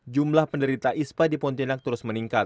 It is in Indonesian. jumlah penderita ispa di pontianak terus meningkat